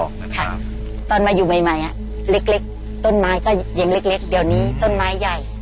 ค่ะตอนมาอยู่ใบเลิกต้นไม้ก็ยังเล็กแล้วนี้ต้นไม้ใหญ่